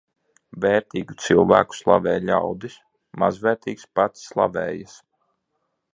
Vērtīgu cilvēku slavē ļaudis, mazvērtīgs pats slavējas.